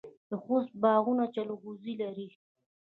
د خوست باغونه جلغوزي لري.